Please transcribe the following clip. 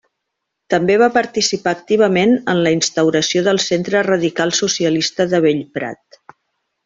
També va participar activament en la instauració del Centre Radical Socialista de Bellprat.